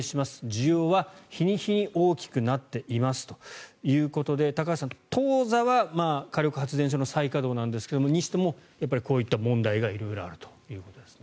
需要は日に日に大きくなっていますということで高橋さん、当座は火力発電所の再稼働なんですがそれにしてもこういった問題が色々あると。